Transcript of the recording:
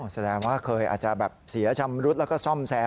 แสดงว่าเคยอาจจะแบบเสียชำรุดแล้วก็ซ่อมแซม